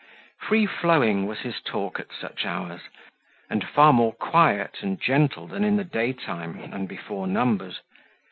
Free flowing was his talk at such hours, and far more quiet and gentle than in the day time and before numbers.